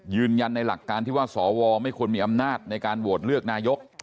ยืนยันในหลักการที่ว่าสวไม่ควรมีอำนาจในการโหวตเลือกนายก